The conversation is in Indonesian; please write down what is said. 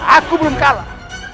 aku belum kalah